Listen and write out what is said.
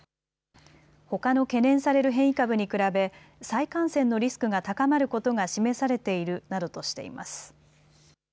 ほかの懸念される変異株に比べ再感染のリスクが高まることが示されているなどとしています。